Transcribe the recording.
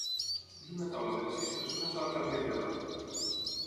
Vull una taula per a sis persones a la Tagliatella.